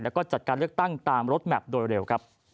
แล้วก็จัดการเลือกตั้งตามรถแมพโดยเร็วครับ